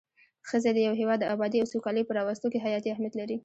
ښځی د يو هيواد د ابادي او سوکالي په راوستو کي حياتي اهميت لري